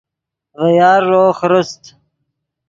ڤے یارݱو خرست